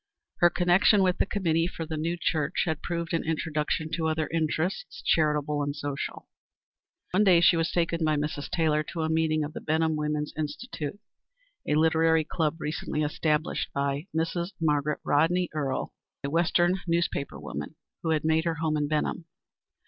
Her connection with the committee for the new church had proved an introduction to other interests, charitable and social. One day she was taken by Mrs. Taylor to a meeting of the Benham Woman's Institute, a literary club recently established by Mrs. Margaret Rodney Earle, a Western newspaper woman who had made her home in Benham.